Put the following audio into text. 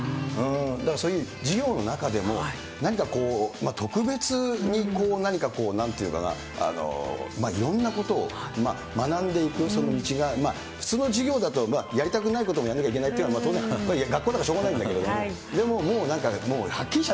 だからそういう意味で、授業の中でも、何かこう、特別に何かこう、なんというのかな、いろんなことを学んでいく道が、普通の授業だとやりたくないこともやんなきゃいけないということは、学校なんかしょうがないんだけど、もうなんか、はっきりしち